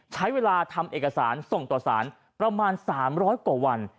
ใช้เวลาทำเอกสารส่งต่อสารประมาณ๓๐๐กว่าวัน